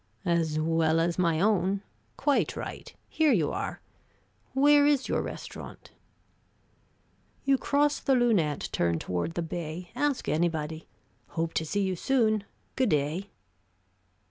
"As well as my own. Quite right. Here you are. Where is your restaurant?" "You cross the Lunette, turn toward the bay ask anybody. Hope to see you soon. Good day."